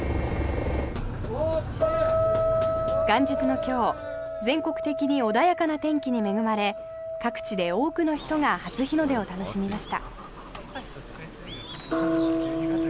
元日の今日全国的に穏やかな天気に恵まれ各地で多くの人が初日の出を楽しみました。